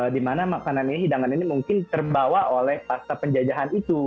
dimana makanan ini hidangan ini mungkin terbawa oleh pasta penjajahan itu